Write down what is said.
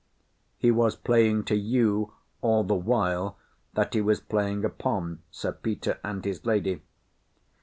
He was playing to you all the while that he was playing upon Sir Peter and his lady.